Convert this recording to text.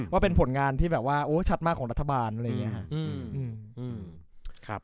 ว่าเป็นผลงานที่แบบว่าโอ้ชัดมากของรัฐบาลอะไรอย่างนี้ค่ะ